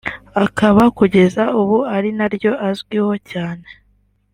akaba kugeza ubu ari naryo azwiho cyane